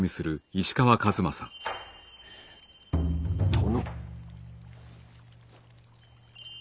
殿。